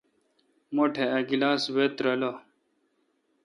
مٹھ ا گلاس وہ ترلہ۔